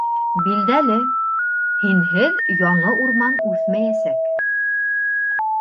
Билдәле, һинһеҙ яңы урман үҫмәйәсәк.